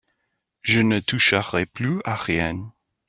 Je ne toucherai plus à rien.